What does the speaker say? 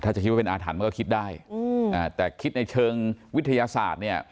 ถ้าจะคิดว่าเป็นอาถรรพ์มันก็คิดได้แต่คิดในเชิงวิทยาศาสตร์เนี่ย